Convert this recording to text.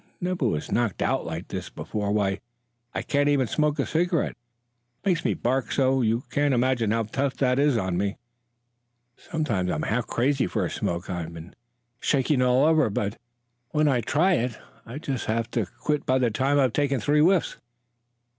Never was knocked out like this before. Why, I can't even smoke a cigarette, it makes me bark so. You can imagine how tough that is on me. Sometimes I'm half crazy for a smoke I'm shaking all over; but when I try it I just have to quit by the time I've taken three whiffs."